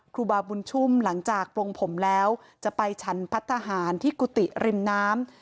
ครูบาบุญชุ่มหลังจากปลงผมแล้วจะไปฉันพัฒนาหารที่กุฏิริมน้ำ